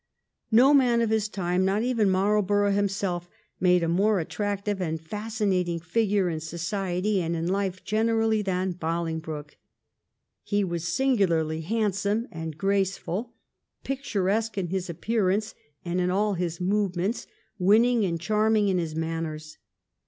No man of his time, not even Marlborough himself, made a more attractive and fascinating figure in society and in life generally than Bolingbroke. He was singularly handsome and graceful, picturesque in his appearance and in all his movements, winning and charming in his manners.